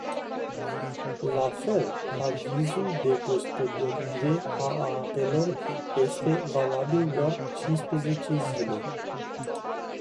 La fel, avizul de gospodărire a apelor este valabil doar cinsprezece zile.